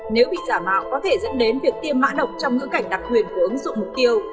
nếu bị giả mạo có thể dẫn đến việc tiêm mã độc trong ngữ cảnh đặc quyền của ứng dụng mục tiêu